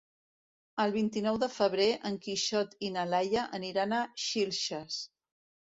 El vint-i-nou de febrer en Quixot i na Laia aniran a Xilxes.